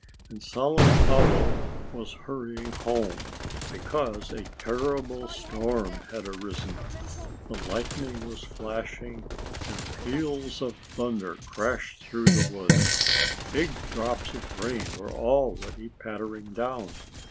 And Solomon Owl was hurrying home, because a terrible storm had arisen. The lightning was flashing, and peals of thunder crashed through the woods. Big drops of rain were already pattering down.